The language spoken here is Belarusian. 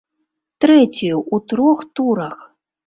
Трэцюю ў трох турах!